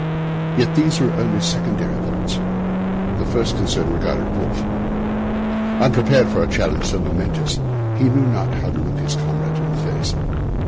Yet these were only secondary thoughts. His first concern regarded Wolfe. Unprepared for a challenge so momentous, he knew not how to look his comrade in the face.